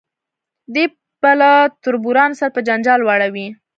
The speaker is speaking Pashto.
دی به له تربورانو سره په جنجال واړوي.